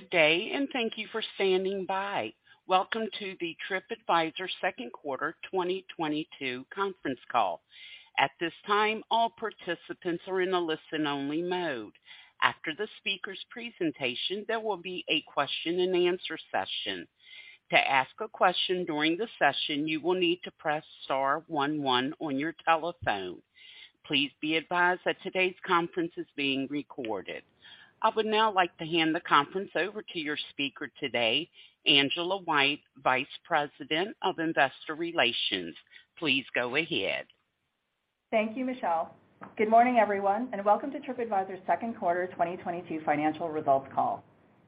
Good day and thank you for standing by. Welcome to the Tripadvisor Second Quarter 2022 Conference Call. At this time, all participants are in a listen-only mode. After the speaker's presentation, there will be a question-and-answer session. To ask a question during the session, you will need to press star one one on your telephone. Please be advised that today's conference is being recorded. I would now like to hand the conference over to your speaker today, Angela White, Vice President of Investor Relations. Please go ahead. Thank you, Michelle. Good morning, everyone, and welcome to Tripadvisor's second quarter 2022 financial results call.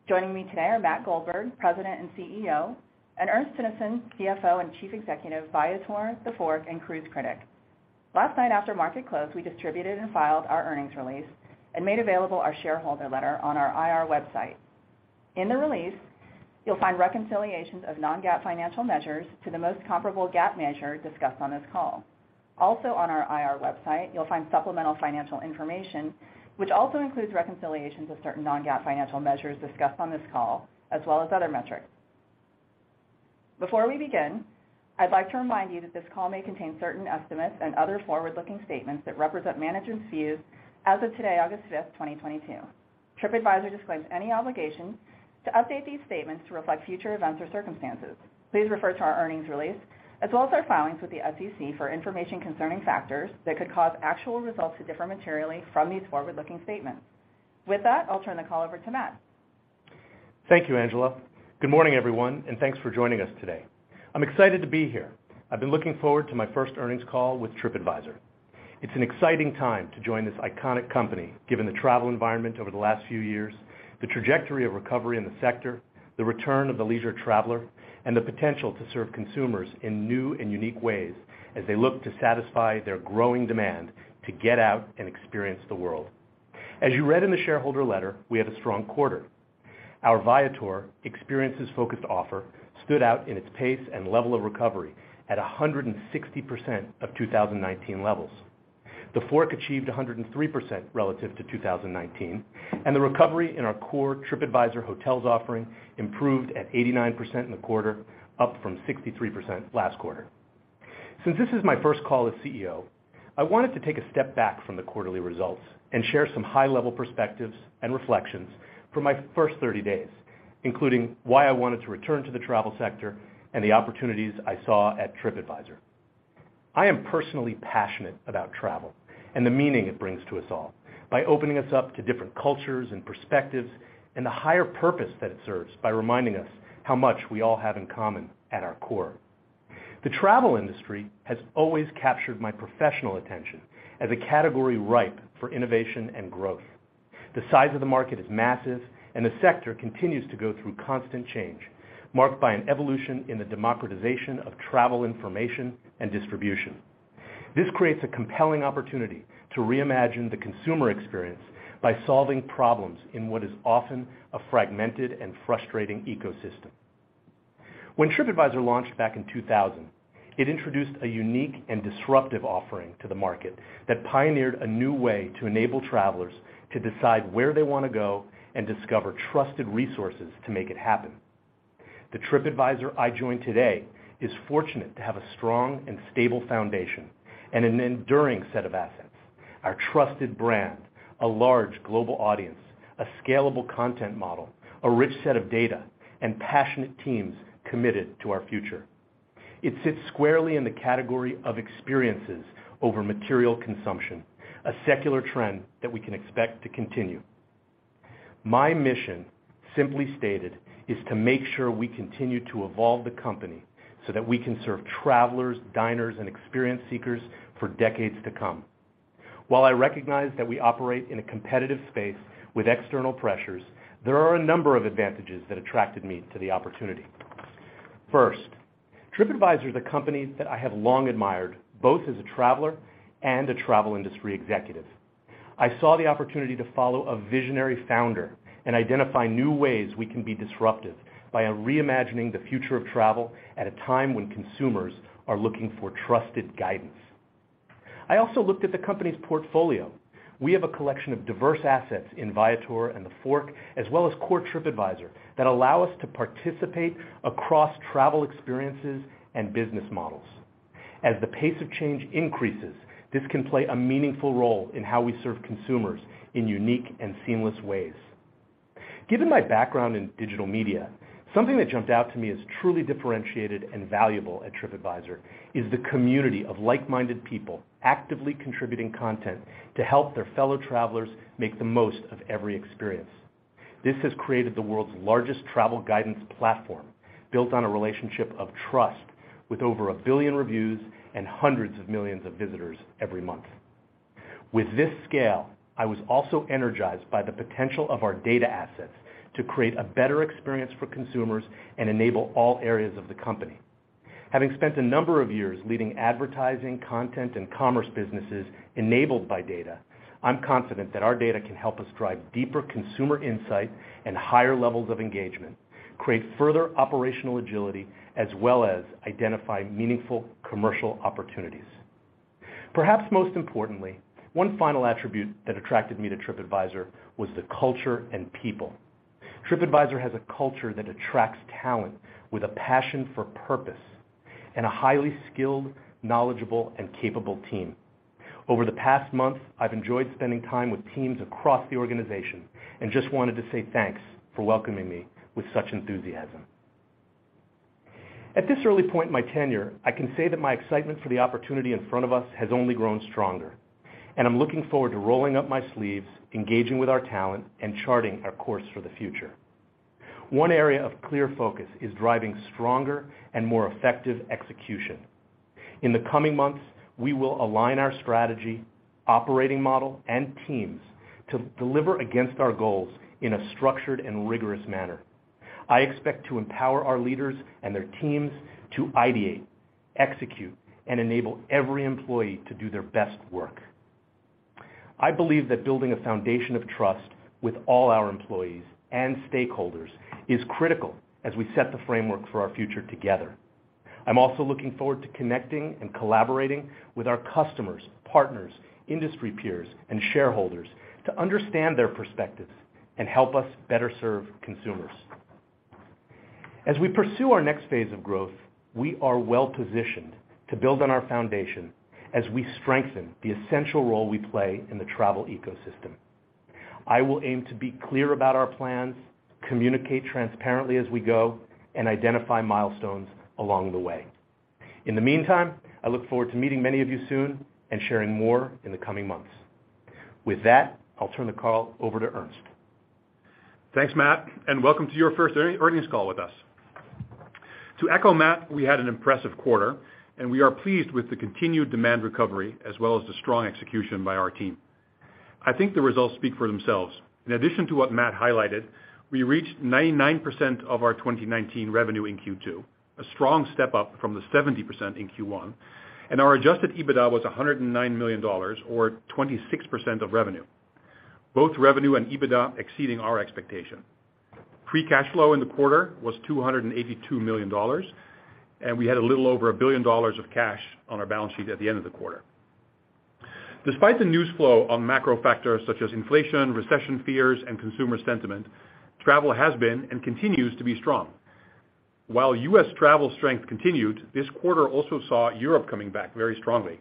Joining me today are Matt Goldberg, President and CEO, and Ernst Teunissen, CFO and Chief Executive, Viator, TheFork, and Cruise Critic. Last night after market close, we distributed and filed our earnings release and made available our shareholder letter on our IR website. In the release, you'll find reconciliations of non-GAAP financial measures to the most comparable GAAP measure discussed on this call. Also on our IR website, you'll find supplemental financial information, which also includes reconciliations of certain non-GAAP financial measures discussed on this call, as well as other metrics. Before we begin, I'd like to remind you that this call may contain certain estimates and other forward-looking statements that represent management's views as of today, August 5, 2022. Tripadvisor disclaims any obligation to update these statements to reflect future events or circumstances. Please refer to our earnings release, as well as our filings with the SEC for information concerning factors that could cause actual results to differ materially from these forward-looking statements. With that, I'll turn the call over to Matt. Thank you, Angela. Good morning, everyone, and thanks for joining us today. I'm excited to be here. I've been looking forward to my first earnings call with Tripadvisor. It's an exciting time to join this iconic company, given the travel environment over the last few years, the trajectory of recovery in the sector, the return of the leisure traveler, and the potential to serve consumers in new and unique ways as they look to satisfy their growing demand to get out and experience the world. As you read in the shareholder letter, we had a strong quarter. Our Viator experiences-focused offer stood out in its pace and level of recovery at 160% of 2019 levels. TheFork achieved 103% relative to 2019, and the recovery in our core Tripadvisor hotels offering improved at 89% in the quarter, up from 63% last quarter. Since this is my first call as CEO, I wanted to take a step back from the quarterly results and share some high-level perspectives and reflections from my first 30 days, including why I wanted to return to the travel sector and the opportunities I saw at Tripadvisor. I am personally passionate about travel and the meaning it brings to us all by opening us up to different cultures and perspectives and the higher purpose that it serves by reminding us how much we all have in common at our core. The travel industry has always captured my professional attention as a category ripe for innovation and growth. The size of the market is massive, and the sector continues to go through constant change, marked by an evolution in the democratization of travel information and distribution. This creates a compelling opportunity to reimagine the consumer experience by solving problems in what is often a fragmented and frustrating ecosystem. When Tripadvisor launched back in 2000, it introduced a unique and disruptive offering to the market that pioneered a new way to enable travelers to decide where they wanna go and discover trusted resources to make it happen. The Tripadvisor I join today is fortunate to have a strong and stable foundation and an enduring set of assets, our trusted brand, a large global audience, a scalable content model, a rich set of data, and passionate teams committed to our future. It sits squarely in the category of experiences over material consumption, a secular trend that we can expect to continue. My mission, simply stated, is to make sure we continue to evolve the company so that we can serve travelers, diners, and experience seekers for decades to come. While I recognize that we operate in a competitive space with external pressures, there are a number of advantages that attracted me to the opportunity. First, Tripadvisor is a company that I have long admired, both as a traveler and a travel industry executive. I saw the opportunity to follow a visionary founder and identify new ways we can be disruptive by reimagining the future of travel at a time when consumers are looking for trusted guidance. I also looked at the company's portfolio. We have a collection of diverse assets in Viator and TheFork, as well as core Tripadvisor that allow us to participate across travel experiences and business models. As the pace of change increases, this can play a meaningful role in how we serve consumers in unique and seamless ways. Given my background in digital media, something that jumped out to me as truly differentiated and valuable at Tripadvisor is the community of like-minded people actively contributing content to help their fellow travelers make the most of every experience. This has created the world's largest travel guidance platform built on a relationship of trust with over a billion reviews and hundreds of millions of visitors every month. With this scale, I was also energized by the potential of our data assets to create a better experience for consumers and enable all areas of the company. Having spent a number of years leading advertising, content, and commerce businesses enabled by data, I'm confident that our data can help us drive deeper consumer insight and higher levels of engagement, create further operational agility, as well as identify meaningful commercial opportunities. Perhaps most importantly, one final attribute that attracted me to Tripadvisor was the culture and people. Tripadvisor has a culture that attracts talent with a passion for purpose and a highly skilled, knowledgeable, and capable team. Over the past month, I've enjoyed spending time with teams across the organization and just wanted to say thanks for welcoming me with such enthusiasm. At this early point in my tenure, I can say that my excitement for the opportunity in front of us has only grown stronger, and I'm looking forward to rolling up my sleeves, engaging with our talent, and charting our course for the future. One area of clear focus is driving stronger and more effective execution. In the coming months, we will align our strategy, operating model, and teams to deliver against our goals in a structured and rigorous manner. I expect to empower our leaders and their teams to ideate, execute, and enable every employee to do their best work. I believe that building a foundation of trust with all our employees and stakeholders is critical as we set the framework for our future together. I'm also looking forward to connecting and collaborating with our customers, partners, industry peers, and shareholders to understand their perspectives and help us better serve consumers. As we pursue our next phase of growth, we are well-positioned to build on our foundation as we strengthen the essential role we play in the travel ecosystem. I will aim to be clear about our plans, communicate transparently as we go, and identify milestones along the way. In the meantime, I look forward to meeting many of you soon and sharing more in the coming months. With that, I'll turn the call over to Ernst. Thanks, Matt, and welcome to your first earnings call with us. To echo Matt, we had an impressive quarter, and we are pleased with the continued demand recovery as well as the strong execution by our team. I think the results speak for themselves. In addition to what Matt highlighted, we reached 99% of our 2019 revenue in Q2, a strong step up from the 70% in Q1, and our adjusted EBITDA was $109 million or 26% of revenue. Both revenue and EBITDA exceeding our expectation. Free cash flow in the quarter was $282 million, and we had a little over $1 billion of cash on our balance sheet at the end of the quarter. Despite the news flow on macro factors such as inflation, recession fears, and consumer sentiment, travel has been and continues to be strong. While U.S. travel strength continued, this quarter also saw Europe coming back very strongly.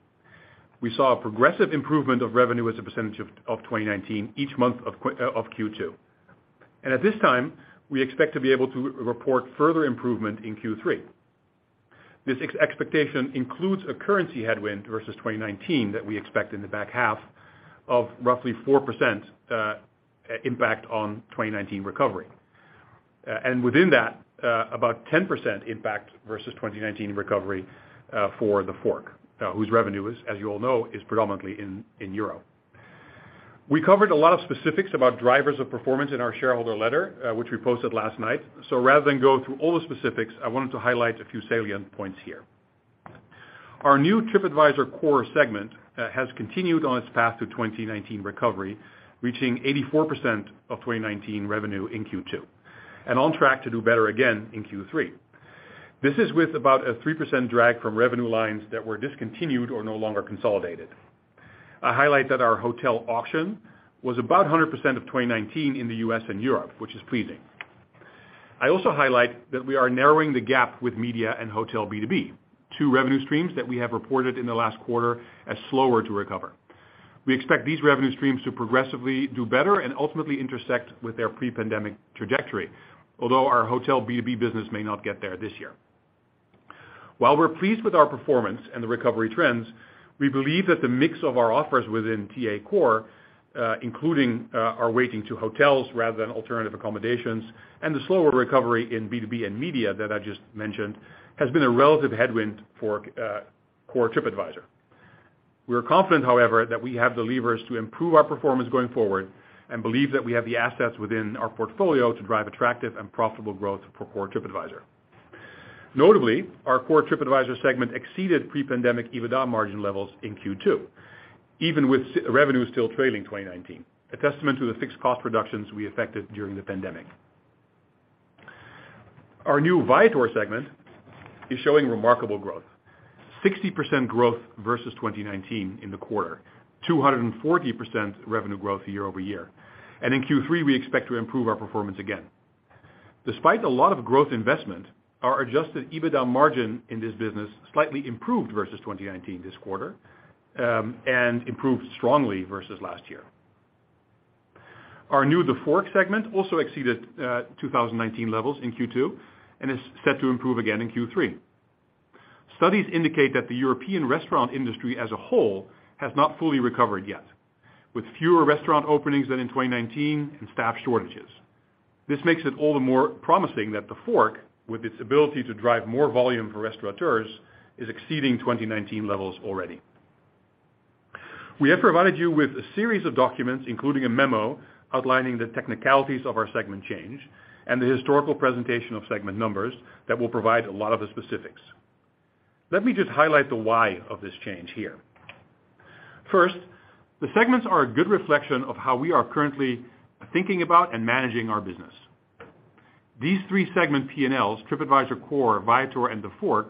We saw a progressive improvement of revenue as a percentage of 2019 each month of Q2. At this time, we expect to be able to report further improvement in Q3. This expectation includes a currency headwind versus 2019 that we expect in the back half of roughly 4% impact on 2019 recovery. Within that, about 10% impact versus 2019 recovery for TheFork, whose revenue is, as you all know, predominantly in Euro. We covered a lot of specifics about drivers of performance in our shareholder letter, which we posted last night. Rather than go through all the specifics, I wanted to highlight a few salient points here. Our new Tripadvisor Core segment has continued on its path to 2019 recovery, reaching 84% of 2019 revenue in Q2, and on track to do better again in Q3. This is with about a 3% drag from revenue lines that were discontinued or no longer consolidated. I highlight that our hotel auction was about 100% of 2019 in the U.S. and Europe, which is pleasing. I also highlight that we are narrowing the gap with media and hotel B2B, two revenue streams that we have reported in the last quarter as slower to recover. We expect these revenue streams to progressively do better and ultimately intersect with their pre-pandemic trajectory. Although our hotel B2B business may not get there this year. While we're pleased with our performance and the recovery trends, we believe that the mix of our offers within Tripadvisor Core, including, our weighting to hotels rather than alternative accommodations, and the slower recovery in B2B and media that I just mentioned, has been a relative headwind for Core Tripadvisor. We are confident, however, that we have the levers to improve our performance going forward and believe that we have the assets within our portfolio to drive attractive and profitable growth for Core Tripadvisor. Notably, our Core Tripadvisor segment exceeded pre-pandemic EBITDA margin levels in Q2, even with revenue still trailing 2019, a testament to the fixed cost reductions we affected during the pandemic. Our new Viator segment is showing remarkable growth. 60% growth versus 2019 in the quarter, 240% revenue growth year-over-year. In Q3, we expect to improve our performance again. Despite a lot of growth investment, our adjusted EBITDA margin in this business slightly improved versus 2019 this quarter and improved strongly versus last year. Our new TheFork segment also exceeded 2019 levels in Q2 and is set to improve again in Q3. Studies indicate that the European restaurant industry as a whole has not fully recovered yet, with fewer restaurant openings than in 2019 and staff shortages. This makes it all the more promising that TheFork, with its ability to drive more volume for restaurateurs, is exceeding 2019 levels already. We have provided you with a series of documents, including a memo outlining the technicalities of our segment change and the historical presentation of segment numbers that will provide a lot of the specifics. Let me just highlight the why of this change here. First, the segments are a good reflection of how we are currently thinking about and managing our business. These three segment P&Ls, Tripadvisor Core, Viator, and TheFork,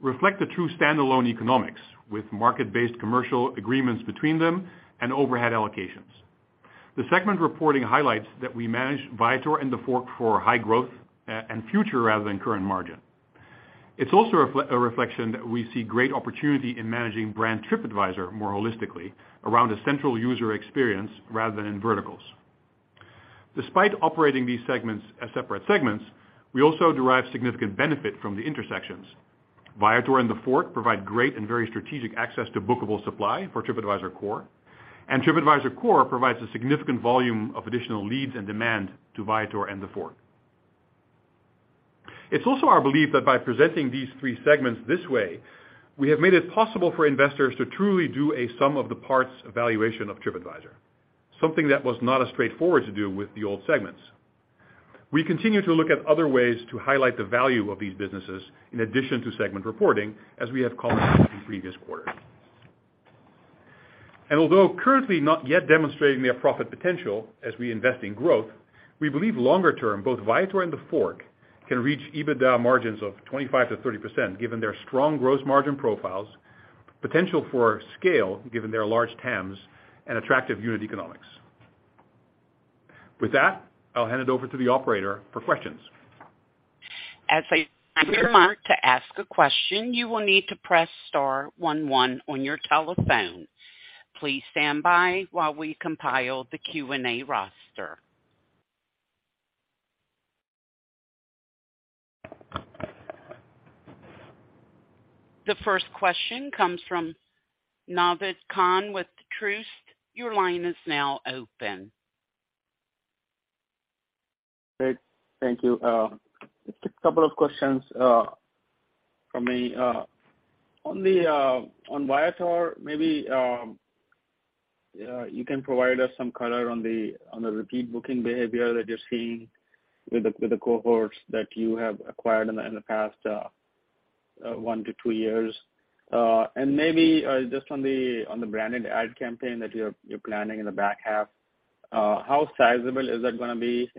reflect the true stand-alone economics with market-based commercial agreements between them and overhead allocations. The segment reporting highlights that we manage Viator and TheFork for high growth, and future rather than current margin. It's also a reflection that we see great opportunity in managing brand Tripadvisor more holistically around a central user experience rather than in verticals. Despite operating these segments as separate segments, we also derive significant benefit from the intersections. Viator and TheFork provide great and very strategic access to bookable supply for Tripadvisor Core, and Tripadvisor Core provides a significant volume of additional leads and demand to Viator and TheFork. It's also our belief that by presenting these three segments this way, we have made it possible for investors to truly do a sum of the parts valuation of Tripadvisor, something that was not as straightforward to do with the old segments. We continue to look at other ways to highlight the value of these businesses in addition to segment reporting, as we have called out in previous quarters. Although currently not yet demonstrating their profit potential as we invest in growth, we believe longer term, both Viator and TheFork can reach EBITDA margins of 25%-30%, given their strong gross margin profiles, potential for scale, given their large TAMs, and attractive unit economics. With that, I'll hand it over to the operator for questions. As a reminder, to ask a question, you will need to press star one one on your telephone. Please stand by while we compile the Q&A roster. The first question comes from Naved Khan with Truist. Your line is now open. Great. Thank you. Just a couple of questions from me. On Viator, maybe you can provide us some color on the repeat booking behavior that you're seeing with the cohorts that you have acquired in the past one-two years. Maybe just on the branded ad campaign that you're planning in the back half, how sizable is that gonna be?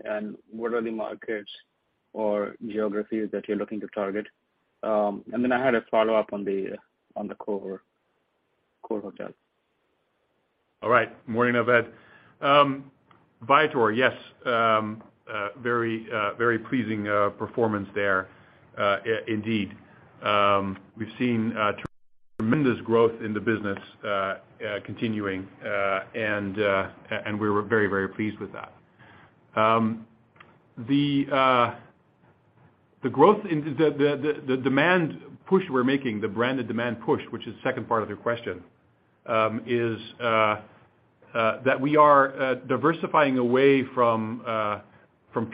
What are the markets or geographies that you're looking to target? I had a follow-up on the Core hotel. All right. Morning, Naved. Viator, yes, very pleasing performance there, indeed. We've seen tremendous growth in the business continuing and we were very pleased with that. The growth in the demand pushes we're making, the branded demand push, which is second part of the question, is that we are diversifying away from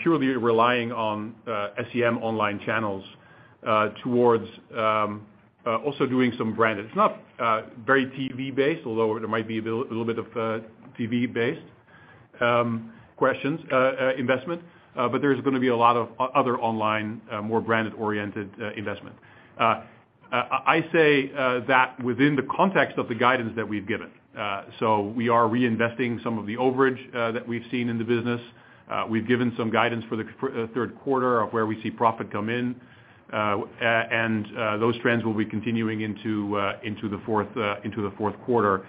purely relying on SEM online channels towards also doing some branded. It's not very TV-based, although there might be a little bit of TV-based questions investment, but there's gonna be a lot of other online more branded-oriented investment. I say that within the context of the guidance that we've given, so we are reinvesting some of the overage that we've seen in the business. We've given some guidance for the third quarter of where we see profit come in, and those trends will be continuing into the fourth quarter.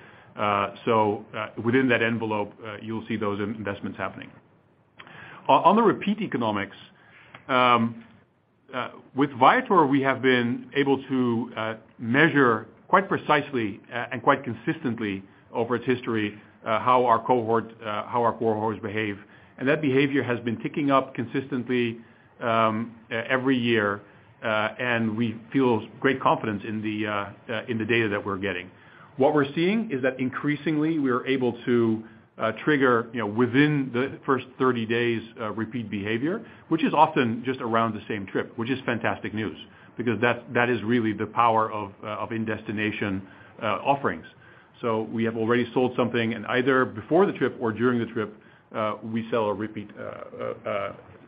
Within that envelope, you'll see those investments happening. On the repeat economics with Viator, we have been able to measure quite precisely and quite consistently over its history how our cohorts behave. That behavior has been ticking up consistently every year, and we feel great confidence in the data that we're getting. What we're seeing is that increasingly, we are able to trigger, you know, within the first 30 days, repeat behavior, which is often just around the same trip, which is fantastic news because that's, that is really the power of in-destination offerings. We have already sold something, and either before the trip or during the trip, we sell a repeat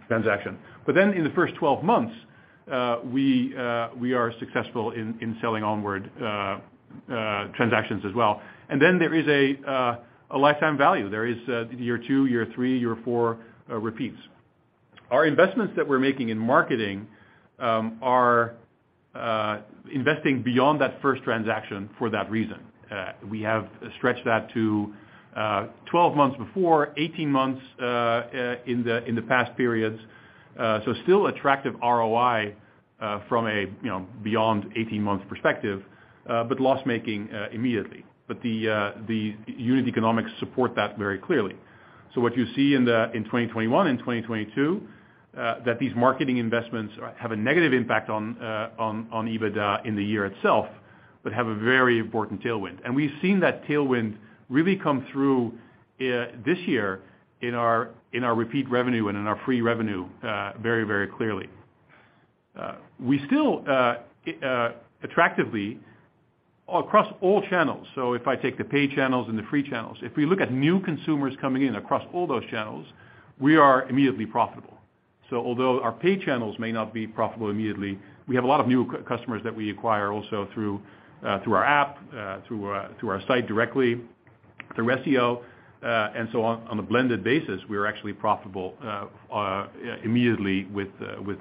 transaction. In the first 12 months, we are successful in selling onward transactions as well. There is a lifetime value. There is year two, year three, year four repeats. Our investments that we're making in marketing are investing beyond that first transaction for that reason. We have stretched that to 12 months before, 18 months in the past periods. Still attractive ROI from a, you know, beyond 18 months perspective, but loss-making immediately. The unit economics support that very clearly. What you see in 2021 and 2022, that these marketing investments have a negative impact on EBITDA in the year itself, but have a very important tailwind. We've seen that tailwind really come through this year in our repeat revenue and in our free revenue, very, very clearly. We still attractive across all channels, so if I take the paid channels and the free channels, if we look at new consumers coming in across all those channels, we are immediately profitable. Although our paid channels may not be profitable immediately, we have a lot of new customers that we acquire also through our app, through our site directly. The SEO and so on a blended basis, we are actually profitable immediately with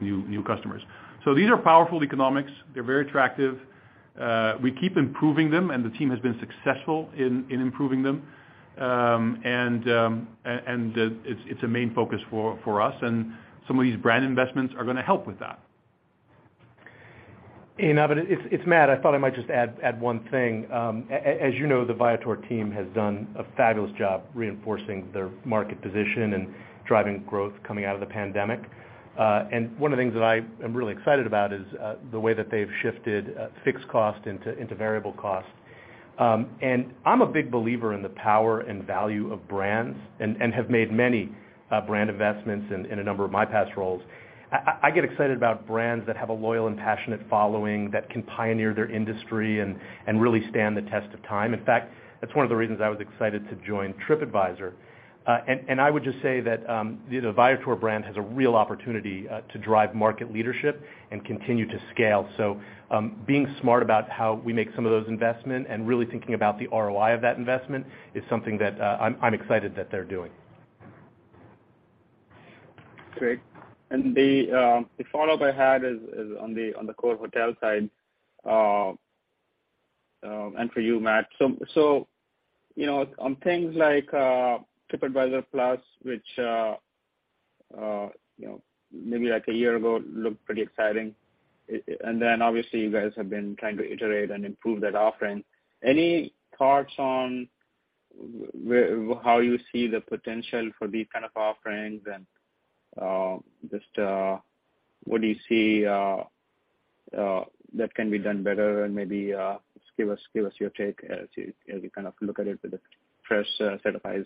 new customers. These are powerful economics. They're very attractive. We keep improving them, and the team has been successful in improving them. It's a main focus for us, and some of these brand investments are gonna help with that. Hey, Naved, it's Matt. I thought I might just add one thing. As you know, the Viator team has done a fabulous job reinforcing their market position and driving growth coming out of the pandemic. One of the things that I am really excited about is the way that they've shifted fixed cost into variable costs. I'm a big believer in the power and value of brands and have made many brand investments in a number of my past roles. I get excited about brands that have a loyal and passionate following that can pioneer their industry and really stand the test of time. In fact, that's one of the reasons I was excited to join Tripadvisor. I would just say that the Viator brand has a real opportunity to drive market leadership and continue to scale. Being smart about how we make some of those investments and really thinking about the ROI of that investment is something that I'm excited that they're doing. Great. The follow-up I had is on the core hotel side and for you, Matt. You know, on things like Tripadvisor Plus, which you know, maybe like a year ago, looked pretty exciting. Obviously, you guys have been trying to iterate and improve that offering. Any thoughts on how you see the potential for these kind of offerings and just what do you see that can be done better? Maybe just give us your take as you kind of look at it with a fresh set of eyes.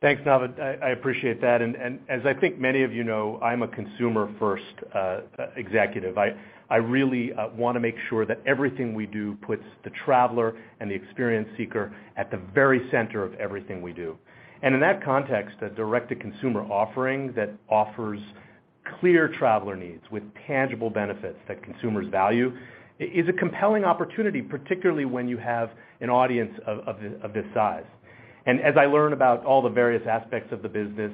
Thanks, Naved. I appreciate that. I think many of you know, I'm a consumer-first executive. I really wanna make sure that everything we do puts the traveler and the experience seeker at the very center of everything we do. In that context, a direct-to-consumer offering that offers clear traveler needs with tangible benefits that consumers value is a compelling opportunity, particularly when you have an audience of this size. As I learn about all the various aspects of the business,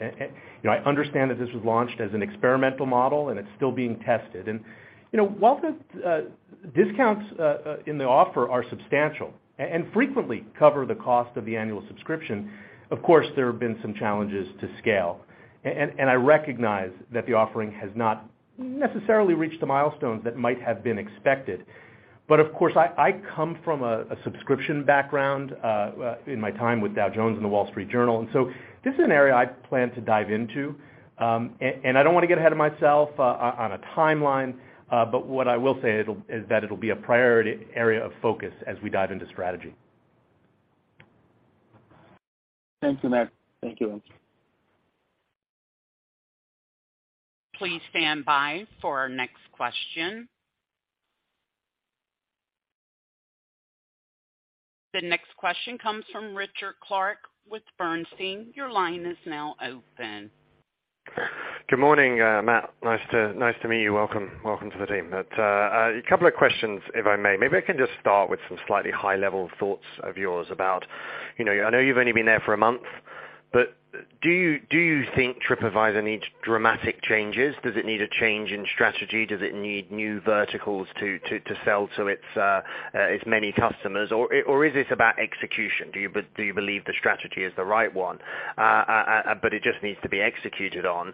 you know, I understand that this was launched as an experimental model, and it's still being tested. You know, while the discounts in the offer are substantial and frequently cover the cost of the annual subscription, of course, there have been some challenges to scale. I recognize that the offering has not necessarily reached the milestones that might have been expected. Of course, I come from a subscription background in my time with Dow Jones and The Wall Street Journal, and so this is an area I plan to dive into. I don't wanna get ahead of myself on a timeline, but what I will say is that it'll be a priority area of focus as we dive into strategy. Thanks, Matt. Thank you. Please stand by for our next question. The next question comes from Richard Clarke with Bernstein. Your line is now open. Good morning, Matt. Nice to meet you. Welcome to the team. A couple of questions, if I may. Maybe I can just start with some slightly high-level thoughts of yours about, you know, I know you've only been there for a month, but do you think Tripadvisor needs dramatic changes? Does it need a change in strategy? Does it need new verticals to sell to its many customers? Or is this about execution? Do you believe the strategy is the right one, but it just needs to be executed on?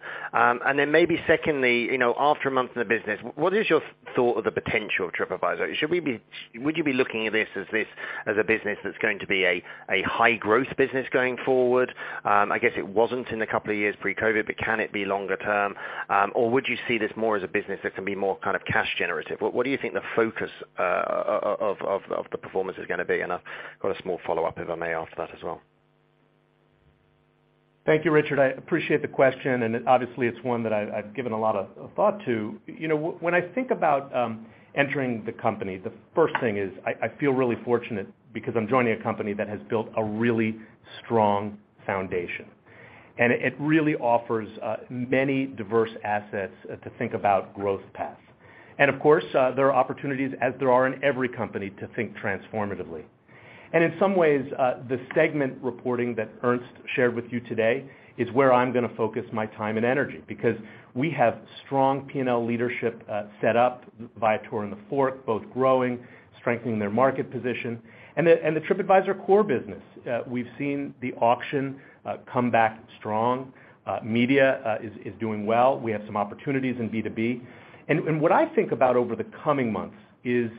Maybe secondly, you know, after a month in the business, what is your thought of the potential of TripAdvisor? Would you be looking at this as a business that's going to be a high-growth business going forward? I guess it wasn't in the couple of years pre-COVID, but can it be longer term? Or would you see this more as a business that can be more kind of cash generative? What do you think the focus of the performance is gonna be? I've got a small follow-up, if I may, after that as well. Thank you, Richard. I appreciate the question, and obviously, it's one that I've given a lot of thought to. You know, when I think about entering the company, the first thing is I feel really fortunate because I'm joining a company that has built a really strong foundation. It really offers many diverse assets to think about growth paths. Of course, there are opportunities, as there are in every company, to think transformatively. In some ways, the segment reporting that Ernst shared with you today is where I'm gonna focus my time and energy because we have strong P&L leadership set up, Viator and TheFork, both growing, strengthening their market position. The Tripadvisor Core business, we've seen the auction come back strong. Media is doing well. We have some opportunities in B2B. What I think about over the coming months is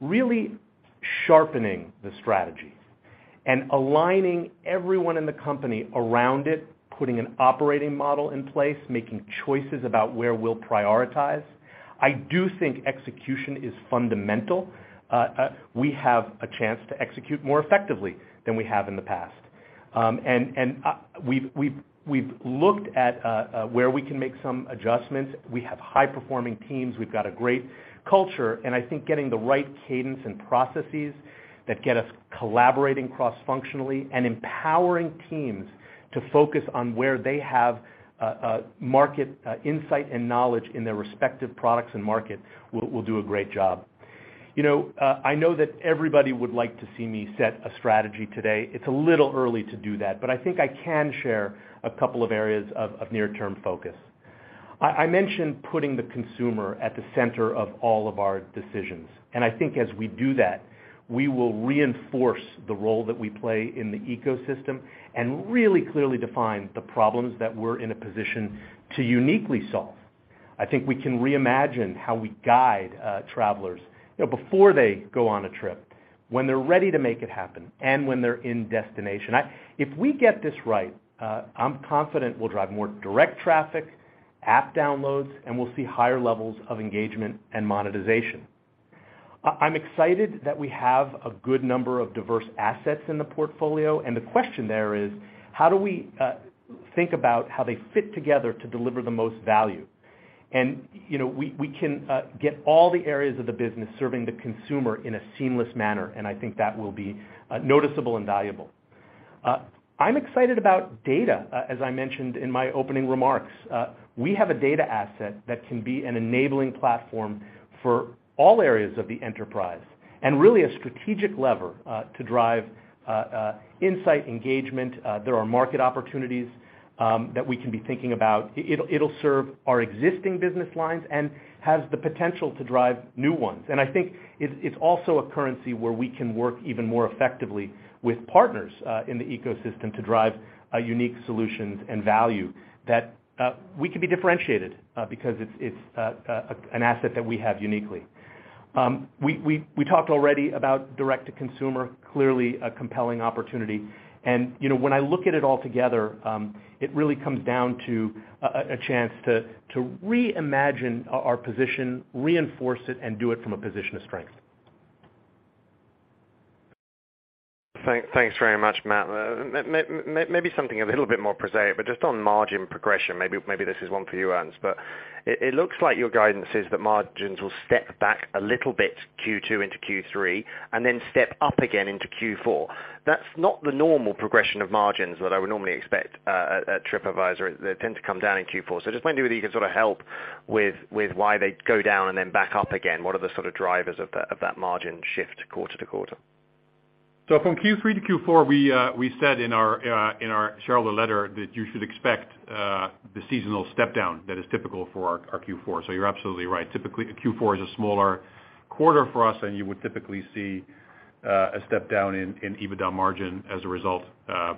really sharpening the strategies and aligning everyone in the company around it, putting an operating model in place, making choices about where we'll prioritize. I do think execution is fundamental. We have a chance to execute more effectively than we have in the past. We've looked at where we can make some adjustments. We have high-performing teams. We've got a great culture, and I think getting the right cadence and processes that get us collaborating cross-functionally and empowering teams to focus on where they have market insight and knowledge in their respective products and markets will do a great job. You know, I know that everybody would like to see me set a strategy today. It's a little early to do that, but I think I can share a couple of areas of near-term focus. I mentioned putting the consumer at the center of all of our decisions. I think as we do that, we will reinforce the role that we play in the ecosystem and really clearly define the problems that we're in a position to uniquely solve. I think we can reimagine how we guide travelers, you know, before they go on a trip, when they're ready to make it happen, and when they're in destination. If we get this right, I'm confident we'll drive more direct traffic, app downloads, and we'll see higher levels of engagement and monetization. I'm excited that we have a good number of diverse assets in the portfolio, and the question there is: how do we think about how they fit together to deliver the most value? You know, we can get all the areas of the business serving the consumer in a seamless manner, and I think that will be noticeable and valuable. I'm excited about data, as I mentioned in my opening remarks. We have a data asset that can be an enabling platform for all areas of the enterprise and really a strategic lever to drive insight engagement. There are market opportunities that we can be thinking about. It'll serve our existing business lines and has the potential to drive new ones. I think it's also a currency where we can work even more effectively with partners in the ecosystem to drive unique solutions and value that we can be differentiated because it's an asset that we have uniquely. We talked already about direct-to-consumer, clearly a compelling opportunity. You know, when I look at it all together, it really comes down to a chance to reimagine our position, reinforce it, and do it from a position of strength. Thanks very much, Matt. Maybe something a little bit more prosaic, but just on margin progression, maybe this is one for you, Ernst. It looks like your guidance is that margins will step back a little bit Q2 into Q3 and then step up again into Q4. That's not the normal progression of margins that I would normally expect at Tripadvisor. They tend to come down in Q4. Just wondering whether you can sort of help with why they go down and then back up again. What is the sort of drivers of that margin shift quarter to quarter? From Q3 to Q4, we said in our shareholder letter that you should expect the seasonal step down that is typical for our Q4. You're absolutely right. Typically, Q4 is a smaller quarter for us, and you would typically see a step down in EBITDA margin as a result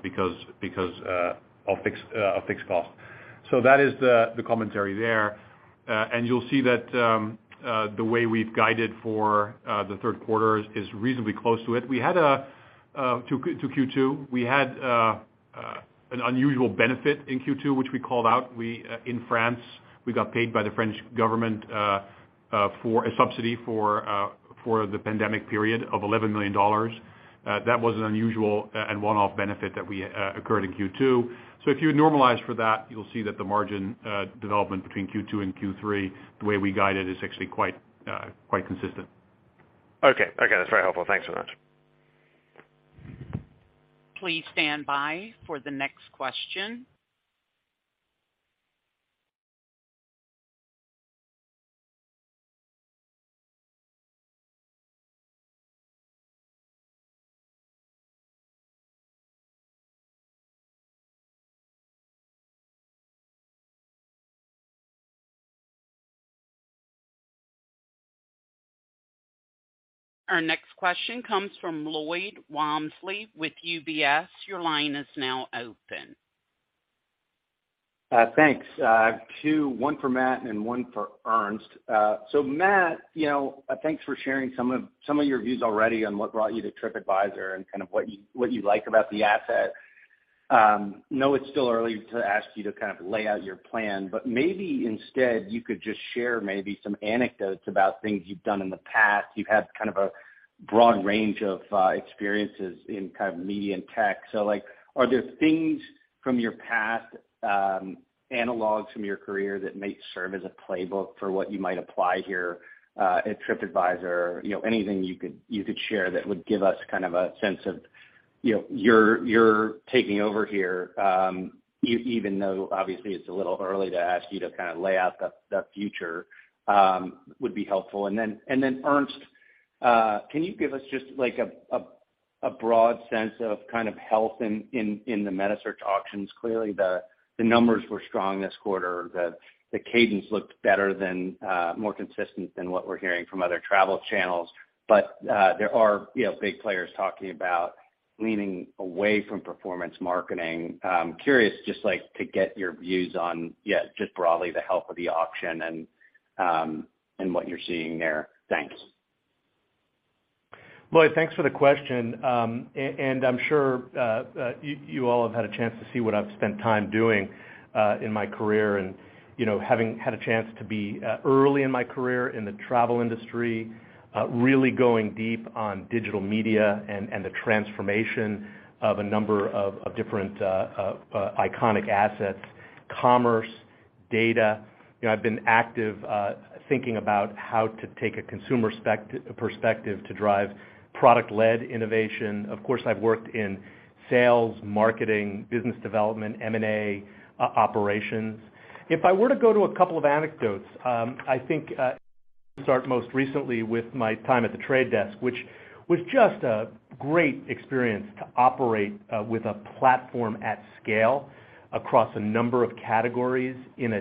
because of fixed costs. That is the commentary there. And you'll see that the way we've guided for the third quarter is reasonably close to it. We had an unusual benefit in Q2, which we called out. In France, we got paid by the French government for a subsidy for the pandemic period of $11 million. That was an unusual and one-off benefit that we occurred in Q2. If you normalize for that, you'll see that the margin development between Q2 and Q3, the way we guide it is actually quite consistent. Okay. Okay, that's very helpful. Thanks so much. Please stand by for the next question. Our next question comes from Lloyd Walmsley with UBS. Your line is now open. Thanks. Two, one for Matt and one for Ernst. Matt, you know, thanks for sharing some of your views already on what brought you to Tripadvisor and kind of what you like about the asset. You know it's still early to ask you to kind of lay out your plan, but maybe instead, you could just share maybe some anecdotes about things you've done in the past. You've had kind of a broad range of experiences in kind of media and tech. Like, are there things from your past, analogs from your career that might serve as a playbook for what you might apply here, at Tripadvisor? You know, anything you could share that would give us kind of a sense of you know, you're taking over here, even though obviously it's a little early to ask you to kind of lay out the future, would be helpful. Ernst, can you give us just like a broad sense of kind of health in the metasearch auctions? Clearly, the numbers were strong this quarter. The cadence looked better than, more consistent than what we're hearing from other travel channels. There are, you know, big players talking about leaning away from performance marketing. Curious just like to get your views on, yeah, just broadly the health of the auction and what you're seeing there. Thanks. Lloyd, thanks for the question. I'm sure you all have had a chance to see what I've spent time doing in my career and, you know, having had a chance to be early in my career in the travel industry, really going deep on digital media and the transformation of a number of different iconic assets, commerce, data. You know, I've been active thinking about how to take a consumer perspective to drive product-led innovation. Of course, I've worked in sales, marketing, business development, M&A, operations. If I were to go to a couple of anecdotes, I think start most recently with my time at The Trade Desk, which was just a great experience to operate with a platform at scale across a number of categories in a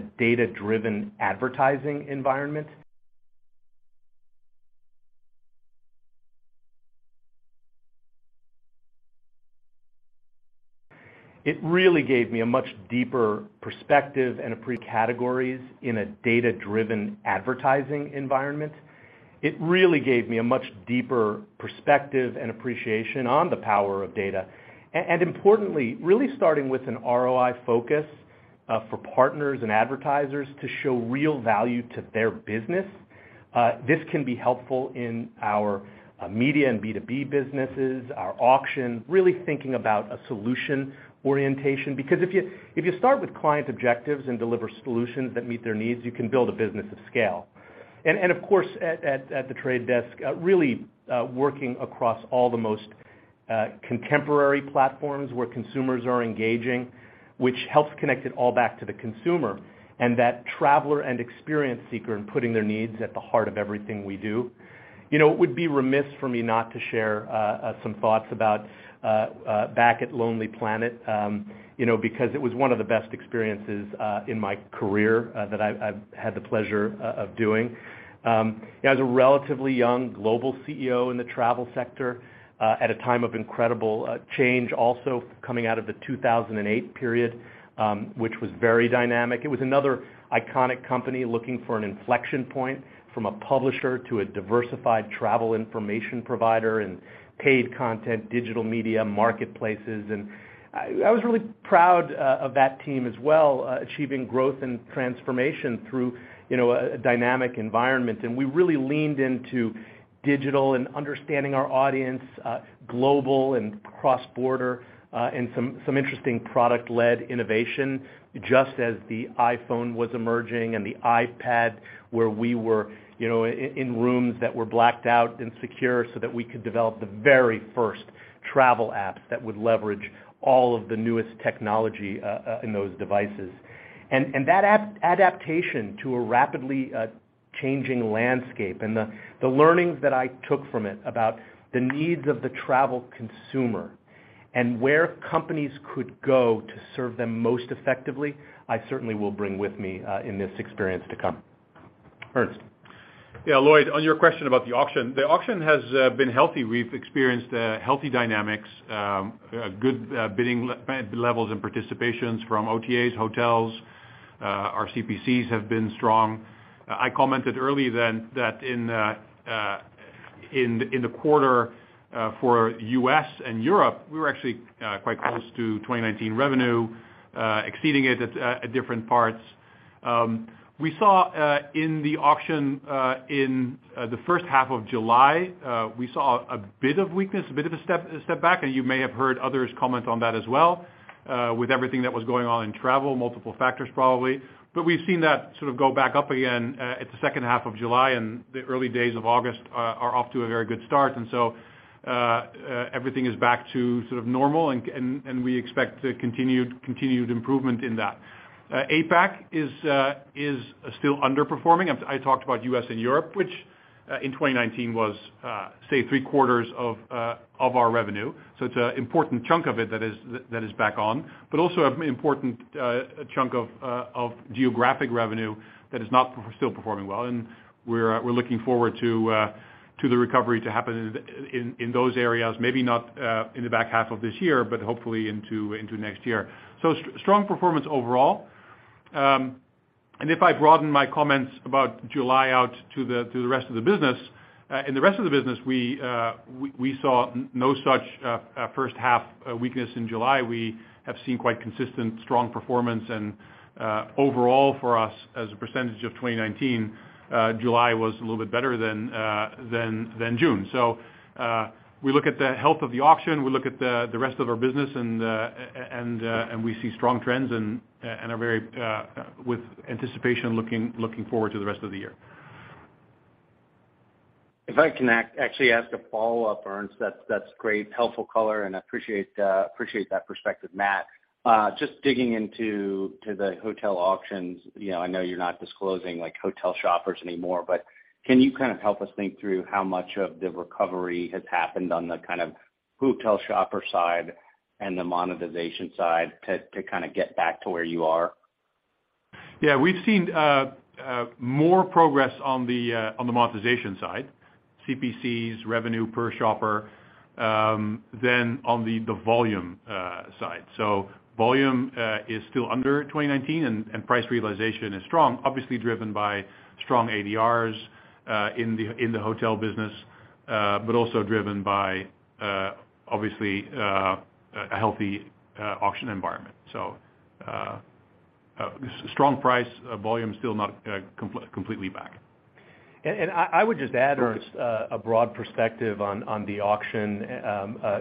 data-driven advertising environment. It really gave me a much deeper perspective and appreciation on the power of data, and importantly, really starting with an ROI focus, for partners and advertisers to show real value to their business. This can be helpful in our media and B2B businesses, our auction, really thinking about a solution orientation. Because if you start with client objectives and deliver solutions that meet their needs, you can build a business of scale. Of course, at The Trade Desk, really working across all the most contemporary platforms where consumers are engaging, which helps connect it all back to the consumer and that traveler and experience seeker in putting their needs at the heart of everything we do. You know, it would be remiss for me not to share some thoughts about back at Lonely Planet, you know, because it was one of the best experiences in my career that I've had the pleasure of doing. As a relatively young global CEO in the travel sector at a time of incredible change, also coming out of the 2008 period, which was very dynamic. It was another iconic company looking for an inflection point from a publisher to a diversified travel information provider and paid content, digital media, marketplaces. I was really proud of that team as well, achieving growth and transformation through, you know, a dynamic environment. We really leaned into digital and understanding our audience, global and cross-border, and some interesting product-led innovation just as the iPhone was emerging and the iPad, where we were, you know, in rooms that were blacked out and secure so that we could develop the very first travel apps that would leverage all of the newest technology in those devices. That adaptation to a rapidly changing landscape and the learnings that I took from it about the needs of the travel consumer and where companies could go to serve them most effectively, I certainly will bring with me in this experience to come. Ernst. Yeah, Lloyd, on your question about the auction, the auction has been healthy. We've experienced healthy dynamics, good bidding levels and participations from OTAs, hotels. Our CPCs have been strong. I commented earlier that in the quarter, for U.S. and Europe, we were actually quite close to 2019 revenue, exceeding it at different parts. We saw in the auction, in the first half of July, we saw a bit of weakness, a bit of a step back, and you may have heard others comment on that as well, with everything that was going on in travel, multiple factors probably. We've seen that sort of go back up again at the second half of July and the early days of August are off to a very good start. Everything is back to sort of normal and we expect continued improvement in that. APAC is still underperforming. I talked about U.S. and Europe, which in 2019 was say 3/4 of our revenue. It's an important chunk of it that is back on, but also an important chunk of geographic revenue that is not still performing well. We're looking forward to the recovery to happen in those areas, maybe not in the back half of this year, but hopefully into next year. Strong performance overall. If I broaden my comments about July out to the rest of the business, in the rest of the business, we saw no such first half weakness in July. We have seen quite consistent, strong performance and overall for us as a percentage of 2019, July was a little bit better than June. We look at the health of the auction, we look at the rest of our business and we see strong trends and are very with anticipation looking forward to the rest of the year. If I can actually ask a follow-up, Ernst. That's great, helpful color, and I appreciate that perspective. Matt, just digging into the hotel auctions, you know, I know you're not disclosing like hotel shoppers anymore, but can you kind of help us think through how much of the recovery has happened on the kind of hotel shopper side and the monetization side to kind of get back to where you are? Yeah, we've seen more progress on the monetization side, CPCs, revenue per shopper, than on the volume side. Volume is still under 2019 and price realization is strong, obviously driven by strong ADRs in the hotel business, but also driven by obviously a healthy auction environment. Strong price volume still not completely back. I would just add, Ernst, a broad perspective on the auction.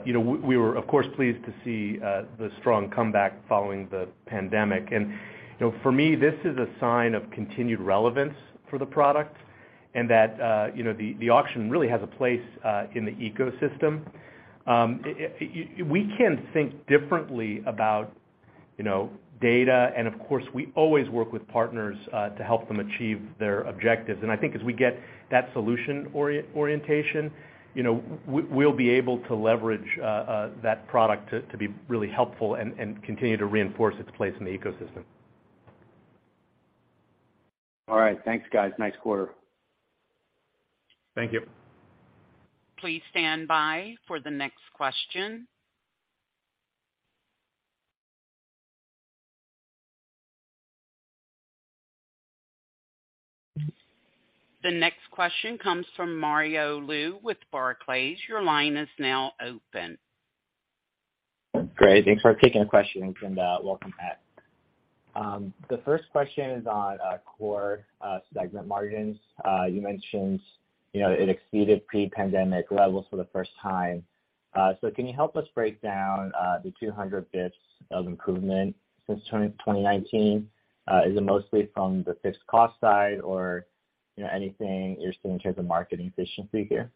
You know, we were of course pleased to see the strong comeback following the pandemic. You know, for me, this is a sign of continued relevance for the product and that you know, the auction really has a place in the ecosystem. We can think differently about You know, data, and of course, we always work with partners to help them achieve their objectives. I think as we get that solution orientation, you know, we'll be able to leverage that product to be really helpful and continue to reinforce its place in the ecosystem. All right. Thanks, guys. Nice quarter. Thank you. Please stand by for the next question. The next question comes from Mario Lu with Barclays. Your line is now open. Great. Thanks for taking the question, and welcome back. The first question is on core segment margins. You mentioned, you know, it exceeded pre-pandemic levels for the first time. Can you help us break down the 200 BPS of improvement since 2019? Is it mostly from the fixed cost side or, you know, anything interesting in terms of market efficiency here?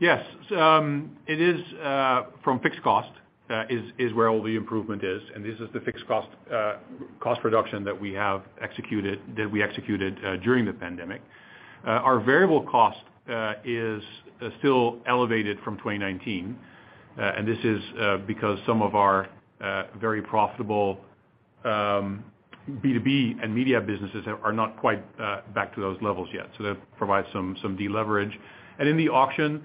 Yes. It is from fixed cost where all the improvement is, and this is the fixed cost reduction that we executed during the pandemic. Our variable cost is still elevated from 2019, and this is because some of our very profitable B2B and media businesses are not quite back to those levels yet. That provides some deleverage. In the auction,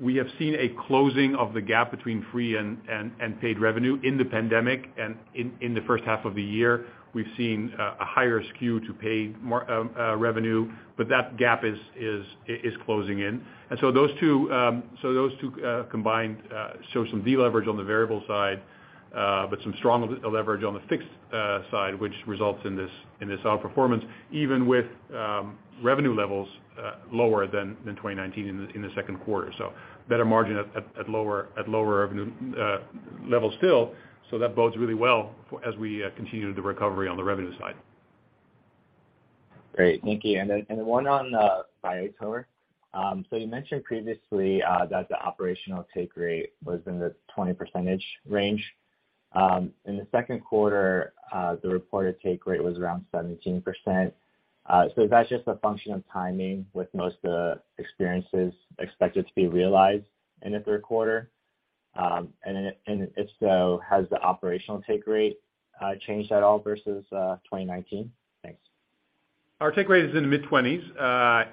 we have seen a closing of the gap between free and paid revenue in the pandemic. In the first half of the year, we've seen a higher SKU to paid marketing revenue, but that gap is closing. Those two combined show some deleverage on the variable side, but some strong leverage on the fixed side, which results in this outperformance, even with revenue levels lower than 2019 in the second quarter. Better margin at lower revenue levels still. That bodes really well as we continue the recovery on the revenue side. Great. Thank you. One on Viator. You mentioned previously that the operational take rate was in the 20% range. In the second quarter, the reported take rate was around 17%. Is that just a function of timing with most of the experiences expected to be realized in the third quarter? If so, has the operational take rate changed at all versus 2019? Thanks. Our take rate is in the mid-20s,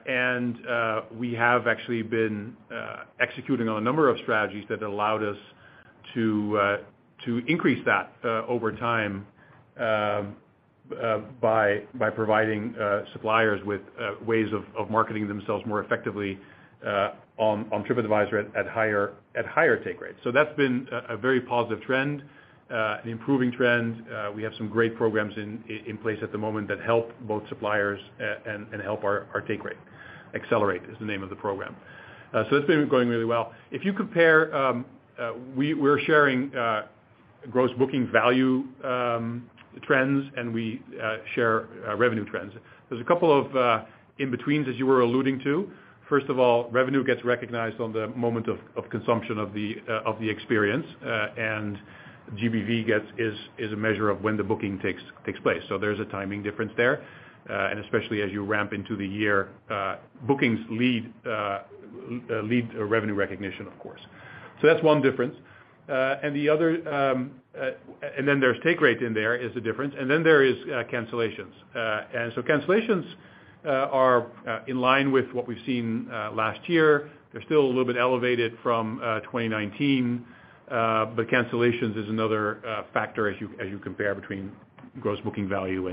and we have actually been executing on a number of strategies that allowed us to increase that over time by providing suppliers with ways of marketing themselves more effectively on Tripadvisor at higher take rates. That's been a very positive trend, an improving trend. We have some great programs in place at the moment that help both suppliers and help our take rate. Accelerate is the name of the program. It's been going really well. If you compare, we're sharing Gross Booking Value trends, and we share revenue trends. There's a couple of in-betweens, as you were alluding to. First of all, revenue gets recognized at the moment of consumption of the experience, and GBV is a measure of when the booking takes place. There's a timing difference there, and especially as you ramp into the year, bookings lead revenue recognition, of course. That's one difference. The other. There's take rate, and that is a difference. There is cancellations. Cancellations are in line with what we've seen last year. They're still a little bit elevated from 2019, but cancellations is another factor as you compare between Gross Booking Value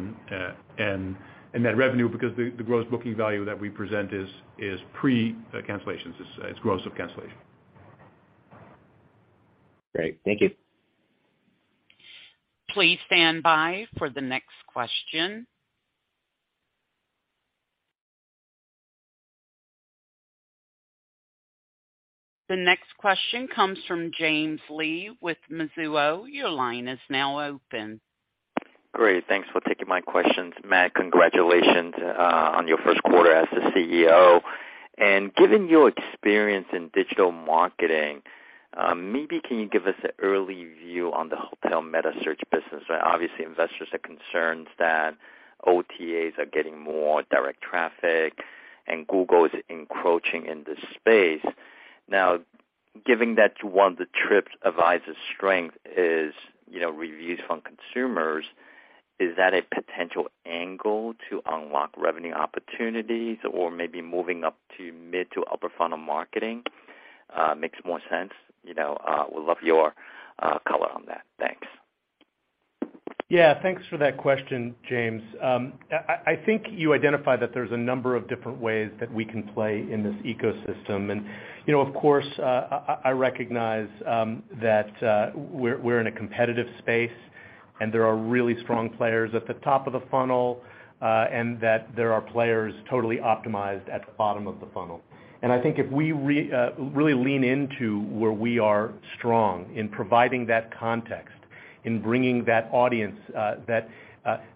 and net revenue because the Gross Booking Value that we present is pre-cancellations, it's gross of cancellation. Great. Thank you. Please stand by for the next question. The next question comes from James Lee with Mizuho. Your line is now open. Great. Thanks for taking my questions. Matt, congratulations, on your first quarter as the CEO. Given your experience in digital marketing, maybe can you give us an early view on the hotel metasearch business? Obviously, investors are concerned that OTAs are getting more direct traffic and Google is encroaching in this space. Now, given that one of Tripadvisor's strengths is, you know, reviews from consumers, is that a potential angle to unlock revenue opportunities or maybe moving up to mid to upper funnel marketing makes more sense? You know, would love your, color on that. Thanks. Yeah. Thanks for that question, James. I think you identified that there's a number of different ways that we can play in this ecosystem. You know, of course, I recognize that we're in a competitive space and there are really strong players at the top of the funnel, and that there are players totally optimized at the bottom of the funnel. I think if we really lean into where we are strong in providing that context. In bringing that audience that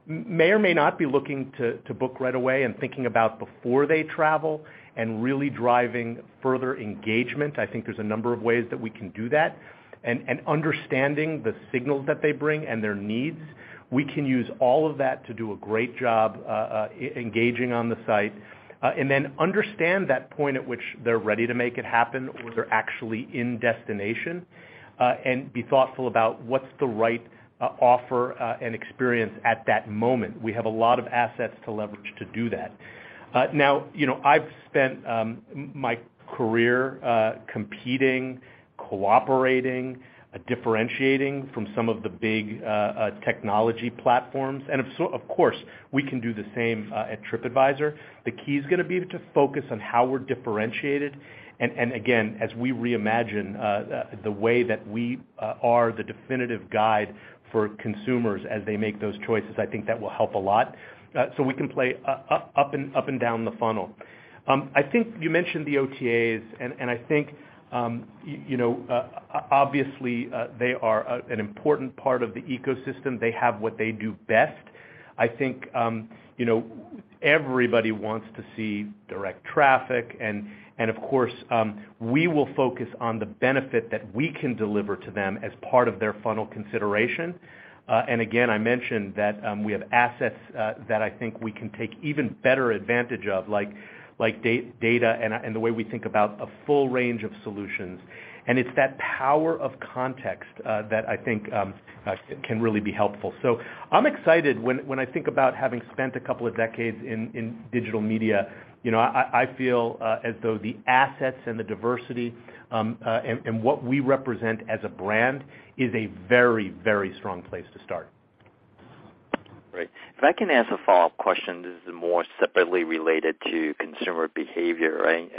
may or may not be looking to book right away and thinking about before they travel and really driving further engagement. I think there's a number of ways that we can do that. Understanding the signals that they bring and their needs, we can use all of that to do a great job engaging on the site and then understand that point at which they're ready to make it happen or they're actually in destination and be thoughtful about what's the right offer and experience at that moment. We have a lot of assets to leverage to do that. Now, you know, I've spent my career competing, cooperating, differentiating from some of the big technology platforms. Of course, we can do the same at Tripadvisor. The key is gonna be to focus on how we're differentiated. Again, as we reimagine the way that we are the definitive guide for consumers as they make those choices, I think that will help a lot, so we can play up and down the funnel. I think you mentioned the OTAs, and I think, you know, obviously, they are an important part of the ecosystem. They have what they do best. I think, you know, everybody wants to see direct traffic, and of course, we will focus on the benefit that we can deliver to them as part of their funnel consideration. Again, I mentioned that we have assets that I think we can take even better advantage of like data and the way we think about a full range of solutions. It's that power of context that I think can really be helpful. I'm excited when I think about having spent a couple of decades in digital media. You know, I feel as though the assets and the diversity and what we represent as a brand is a very strong place to start. Great. If I can ask a follow-up question, this is more separately related to consumer behavior, right?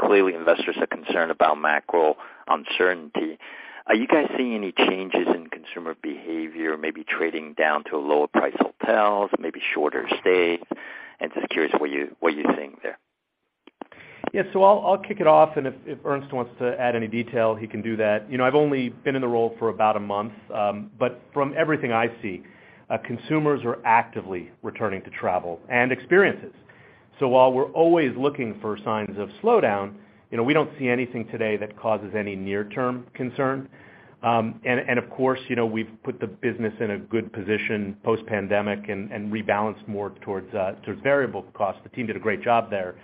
Clearly, investors are concerned about macro uncertainty. Are you guys seeing any changes in consumer behavior, maybe trading down to lower priced hotels, maybe shorter stays? Just curious what you're seeing there. Yeah. I'll kick it off, and if Ernst wants to add any detail, he can do that. You know, I've only been in the role for about a month, but from everything I see, consumers are actively returning to travel and experiences. While we're always looking for signs of slowdown, you know, we don't see anything today that causes any near-term concern. And of course, you know, we've put the business in a good position post-pandemic and rebalanced more towards variable costs. The team did a great job there.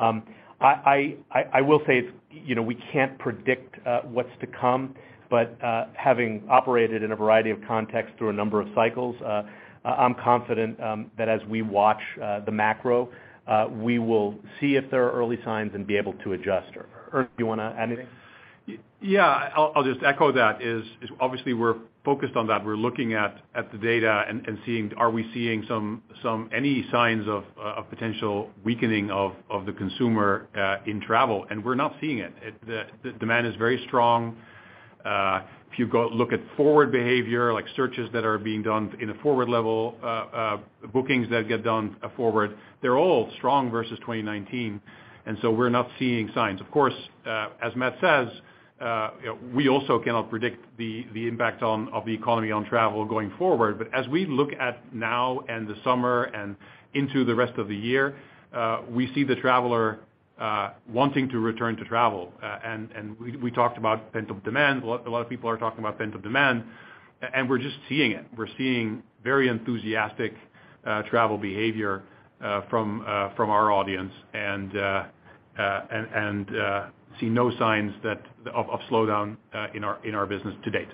I will say it's, you know, we can't predict what's to come, but having operated in a variety of contexts through a number of cycles, I'm confident that as we watch the macro, we will see if there are early signs and be able to adjust. Ernst, do you wanna add anything? Yeah. I'll just echo that. It's obviously we're focused on that. We're looking at the data and seeing are we seeing any signs of potential weakening of the consumer in travel, and we're not seeing it. The demand is very strong. If you go look at forward behavior, like searches that are being done in a forward level, bookings that get done forward, they're all strong versus 2019, and so we're not seeing signs. Of course, as Matt says, we also cannot predict the impact of the economy on travel going forward. As we look at now and the summer and into the rest of the year, we see the traveler wanting to return to travel. We talked about pent-up demand. A lot of people are talking about pent-up demand, and we're just seeing it. We're seeing very enthusiastic travel behavior from our audience, and see no signs of slowdown in our business to date.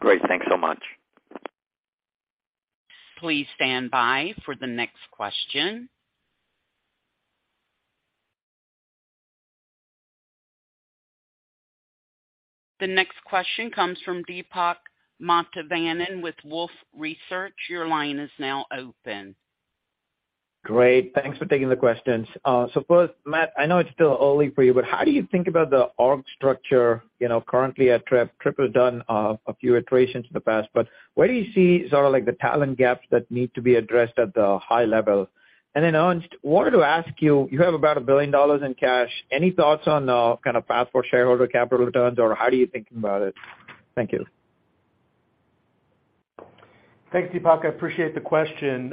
Great. Thanks so much. Please stand by for the next question. The next question comes from Deepak Mathivanan with Wolfe Research. Your line is now open. Great. Thanks for taking the questions. First, Matt, I know it's still early for you, but how do you think about the org structure? You know, currently at Tripadvisor has done a few iterations in the past, but where do you see sort of like the talent gaps that need to be addressed at the high level? Then Ernst, wanted to ask you have about $1 billion in cash. Any thoughts on kind of path for shareholder capital returns, or how are you thinking about it? Thank you. Thanks, Deepak. I appreciate the question.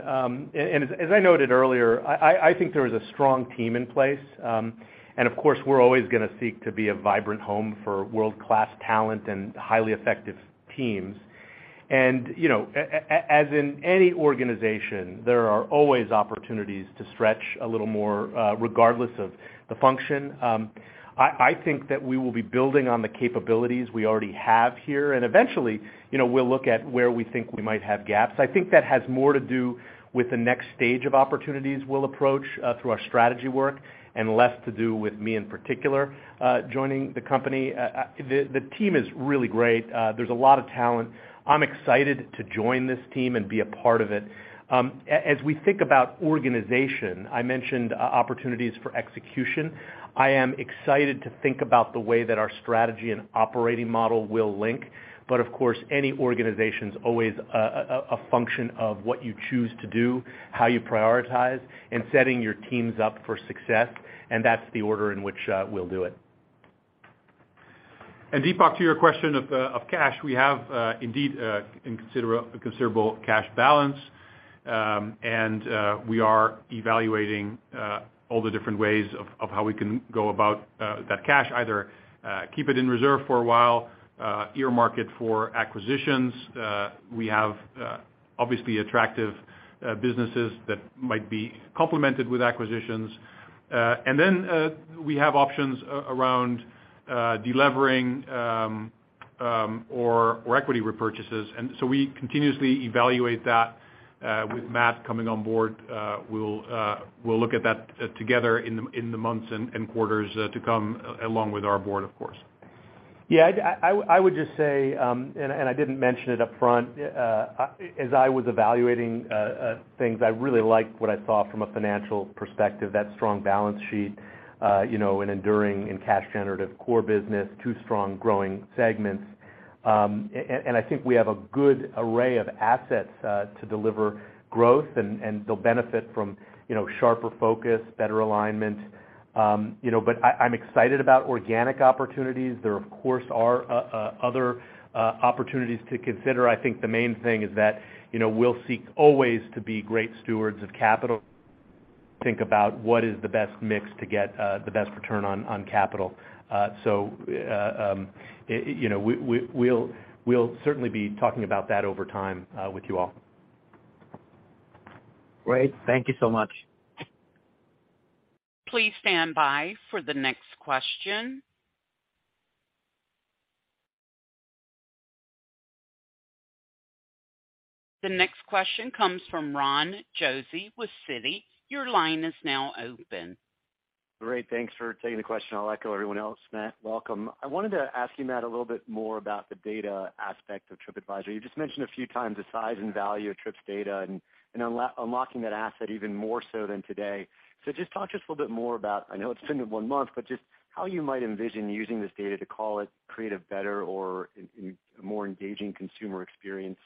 As I noted earlier, I think there is a strong team in place. Of course, we're always gonna seek to be a vibrant home for world-class talent and highly effective teams. You know, as in any organization, there are always opportunities to stretch a little more, regardless of the function. I think that we will be building on the capabilities we already have here, and eventually, you know, we'll look at where we think we might have gaps. I think that has more to do with the next stage of opportunities we'll approach through our strategy work and less to do with me in particular joining the company. The team is really great. There's a lot of talent. I'm excited to join this team and be a part of it. As we think about organization, I mentioned opportunities for execution. I am excited to think about the way that our strategy and operating model will link. Of course, any organization's always a function of what you choose to do, how you prioritize, and setting your teams up for success, and that's the order in which we'll do it. Deepak Mathivanan, to your question of cash, we have indeed a considerable cash balance, and we are evaluating all the different ways of how we can go about that cash, either keep it in reserve for a while, earmark it for acquisitions. We have obviously attractive businesses that might be complemented with acquisitions. And then, we have options around delivering, or equity repurchases. And so, we continuously evaluate that, with Matt Goldberg coming on board, we'll look at that together in the months and quarters to come, along with our board, of course. Yeah, I would just say, and I didn't mention it up front, as I was evaluating things, I really liked what I saw from a financial perspective, that strong balance sheet, you know, an enduring and cash generative core business, two strong growing segments. I think we have a good array of assets to deliver growth, and they'll benefit from, you know, sharper focus, better alignment, you know. I'm excited about organic opportunities. There, of course, are other opportunities to consider. I think the main thing is that, you know, we'll seek always to be great stewards of capital, think about what is the best mix to get the best return on capital. You know, we'll certainly be talking about that over time with you all. Great. Thank you so much. Please stand by for the next question. The next question comes from Ron Josey with Citi. Your line is now open. Great. Thanks for taking the question. I'll let everyone else go. Matt, welcome. I wanted to ask you, Matt, a little bit more about the data aspect of Tripadvisor. You just mentioned a few times the size and value of Trips data and unlocking that asset even more so than today. Just talk to us a little bit more about, I know it's been one month, but just how you might envision using this data to call it, create a better or a more engaging consumer experience,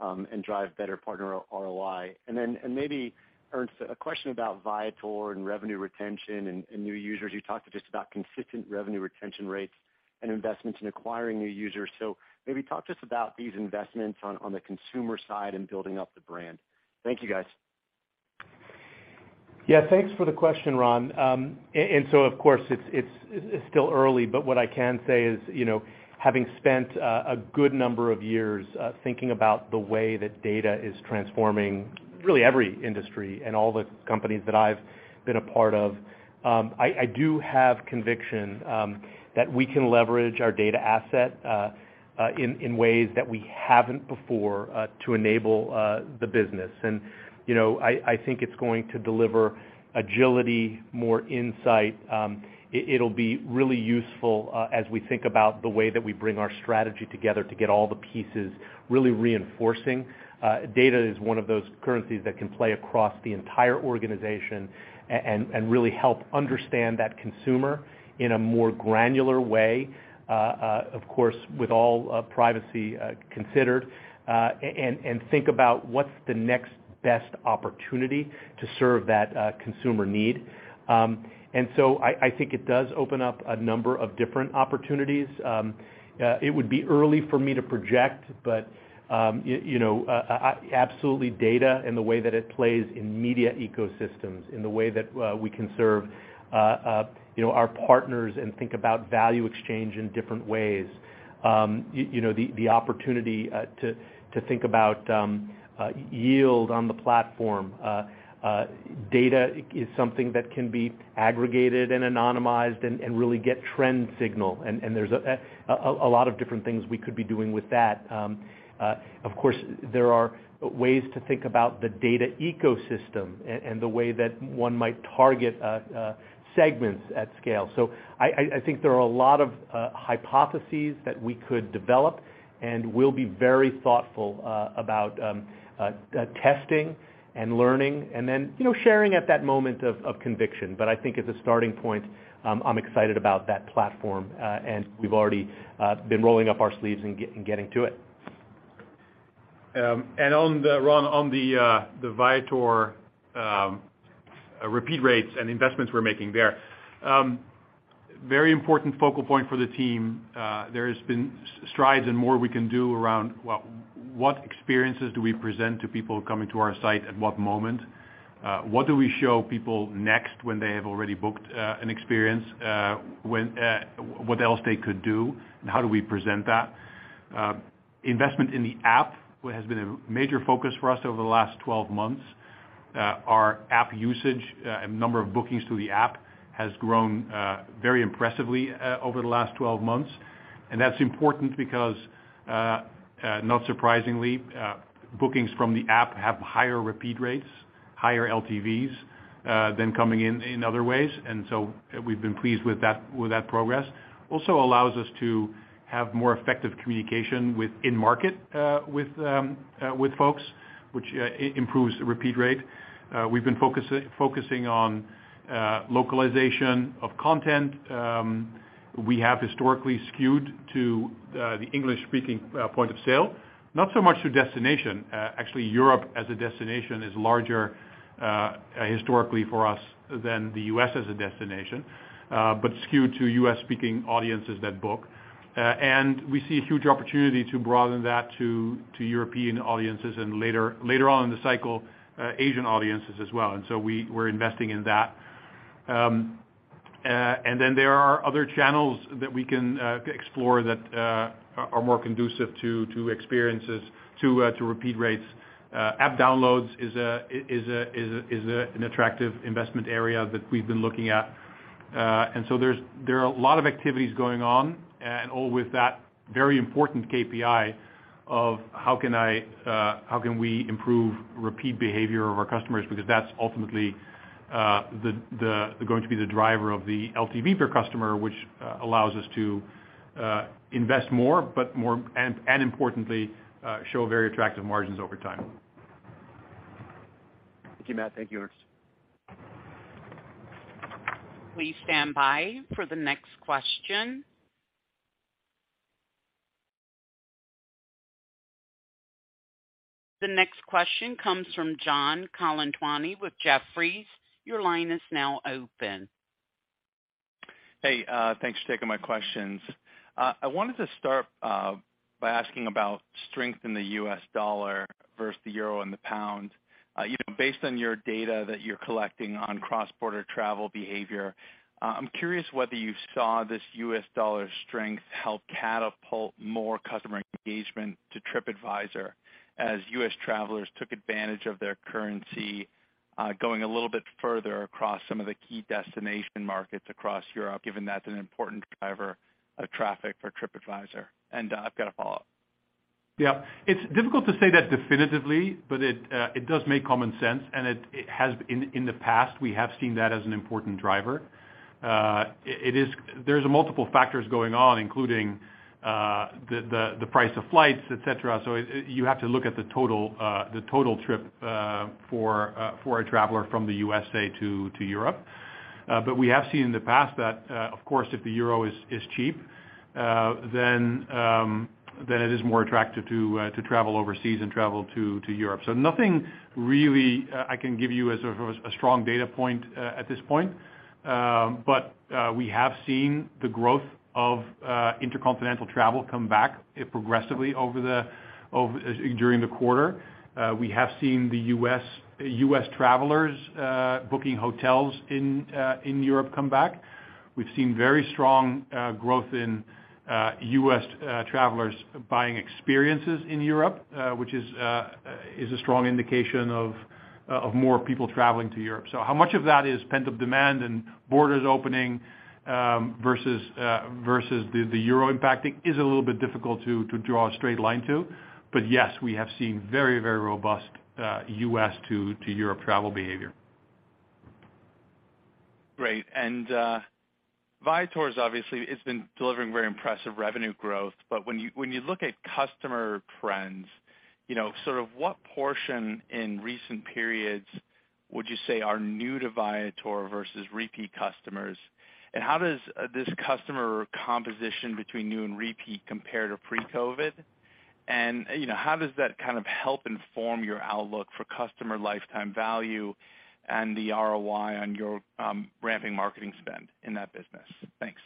and drive better partner ROI. Then maybe Ernst, a question about Viator and revenue retention and new users. You talked just about consistent revenue retention rates and investments in acquiring new users. Maybe talk to us about these investments on the consumer side and building up the brand. Thank you, guys. Yeah, thanks for the question, Ron. Of course, it's still early, but what I can say is, you know, having spent a good number of years thinking about the way that data is transforming really every industry and all the companies that I've been a part of, I do have conviction that we can leverage our data asset in ways that we haven't before to enable the business. You know, I think it's going to deliver agility, more insight. It'll be really useful as we think about the way that we bring our strategy together to get all the pieces really reinforcing. Data is one of those currencies that can play across the entire organization and really help understand that consumer in a more granular way, of course, with all privacy considered, and think about what's the next best opportunity to serve that consumer need. I think it does open up a number of different opportunities. It would be early for me to project, but you know, absolutely data and the way that it plays in media ecosystems, in the way that we can serve you know, our partners and think about value exchange in different ways. You know, the opportunity to think about yield on the platform. Data is something that can be aggregated and anonymized and really get trend signal. There's a lot of different things we could be doing with that. Of course, there are ways to think about the data ecosystem and the way that one might target segments at scale. I think there are a lot of hypotheses that we could develop, and we'll be very thoughtful about testing and learning, and then, you know, sharing at that moment of conviction. I think as a starting point, I'm excited about that platform, and we've already been rolling up our sleeves and getting to it. On the Viator, Ron, repeat rates and investments we're making there, very important focal point for the team. There has been strides and more we can do around, well, what experiences do we present to people coming to our site at what moment? What do we show people next when they have already booked an experience, what else they could do, and how do we present that? Investment in the app has been a major focus for us over the last 12 months. Our app usage and number of bookings through the app has grown very impressively over the last 12 months. That's important because, not surprisingly, bookings from the app have higher repeat rates, higher LTVs than coming in in other ways. We've been pleased with that progress. It also allows us to have more effective communication with in-market folks, which improves the repeat rate. We've been focusing on localization of content. We have historically skewed to the English-speaking point of sale, not so much to destination. Actually, Europe as a destination is larger, historically for us than the U.S. as a destination, but skewed to U.S.-speaking audiences that book. We see a huge opportunity to broaden that to European audiences and later on in the cycle, Asian audiences as well. We're investing in that. There are other channels that we can explore that are more conducive to experiences, to repeat rates. App downloads is an attractive investment area that we've been looking at. There are a lot of activities going on and all with that very important KPI of how can we improve repeat behavior of our customers, because that's ultimately the going to be the driver of the LTV per customer, which allows us to invest more, but more and importantly show very attractive margins over time. Thank you, Matt. Thank you, Ernst. Please stand by for the next question. The next question comes from John Colantuoni with Jefferies. Your line is now open. Hey, thanks for taking my questions. I wanted to start by asking about strength in the U.S. dollar versus the euro and the pound. You know, based on your data that you're collecting on cross-border travel behavior, I'm curious whether you saw this U.S. dollar strength help catapult more customer engagement to Tripadvisor as U.S. travelers took advantage of their currency going a little bit further across some of the key destination markets across Europe, given that's an important driver of traffic for Tripadvisor. I've got a follow-up. Yeah. It's difficult to say that definitively, but it does make common sense, and it has in the past, we have seen that as an important driver. There's multiple factors going on, including the price of flights, et cetera. So, you have to look at the total trip for a traveler from the U.S.A. to Europe. But we have seen in the past that, of course, if the euro is cheap, then it is more attractive to travel overseas and travel to Europe. So, nothing really, I can give you as a strong data point at this point. We have seen the growth of intercontinental travel come back progressively during the quarter. We have seen U.S. travelers booking hotels in Europe come back. We've seen very strong growth in U.S. travelers buying experiences in Europe, which is a strong indication of more people traveling to Europe. How much of that is pent-up demand and borders opening versus the euro impact? It is a little bit difficult to draw a straight line to. Yes, we have seen very robust U.S. to Europe travel behavior. Great. Viator's, obviously, it's been delivering very impressive revenue growth. When you look at customer trends, you know, sort of what portion in recent periods would you say are new to Viator versus repeat customers? How does this customer composition between new and repeat compare to pre-COVID? You know, how does that kind of help inform your outlook for customer lifetime value and the ROI on your ramping marketing spend in that business? Thanks.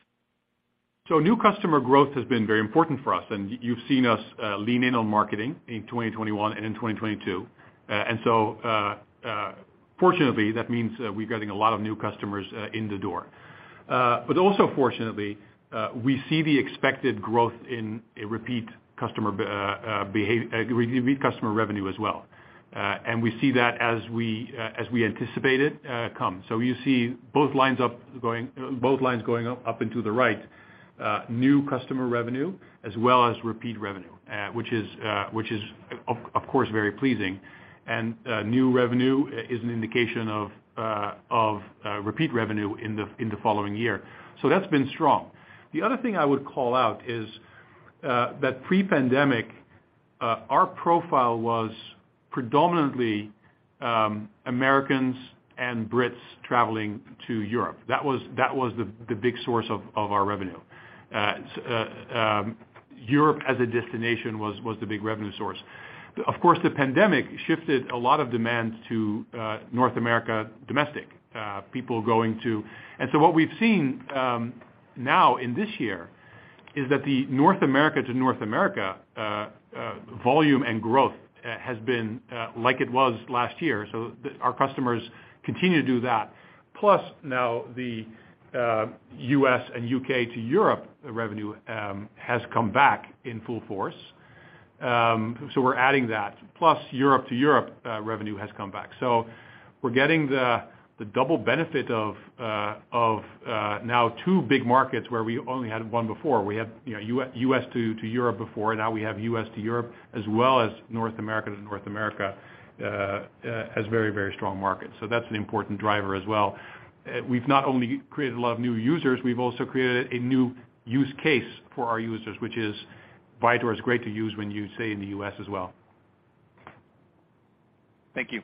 New customer growth has been very important for us, and you've seen us lean in on marketing in 2021 and in 2022. Fortunately, that means we're getting a lot of new customers in the door. But also fortunately, we see the expected growth in repeat customer revenue as well. We see that as we anticipate it come. You see both lines going up into the right, new customer revenue as well as repeat revenue, which is of course very pleasing. New revenue is an indication of repeat revenue in the following year. That's been strong. The other thing I would call out is that pre-pandemic, our profile was predominantly Americans and Brits traveling to Europe. That was the big source of our revenue. Europe as a destination was the big revenue source. Of course, the pandemic shifted a lot of demand to North America domestic people going to. What we've seen now in this year is that the North America to North America volume and growth has been like it was last year. Our customers continue to do that. Plus, now the U.S. and U.K. to Europe revenue has come back in full force. We're adding that. Plus, Europe to Europe revenue has come back. We're getting the double benefit of now two big markets where we only had one before. We had, you know, U.S. to Europe before. Now we have U.S. to Europe, as well as North America to North America, as very strong markets. That's an important driver as well. We've not only created a lot of new users, we've also created a new use case for our users, which is Viator is great to use when you stay in the U.S. as well. Thank you.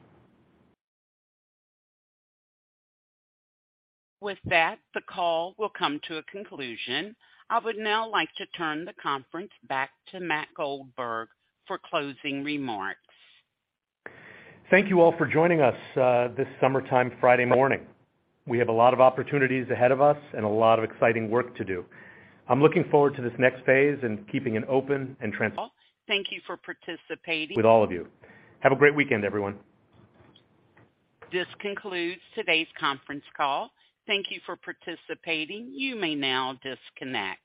With that, the call will come to a conclusion. I would now like to turn the conference back to Matt Goldberg for closing remarks. Thank you all for joining us, this summertime Friday morning. We have a lot of opportunities ahead of us and a lot of exciting work to do. I'm looking forward to this next phase and keeping an open and transparent. Thank you for participating. With all of you. Have a great weekend, everyone. This concludes today's conference call. Thank you for participating. You may now disconnect.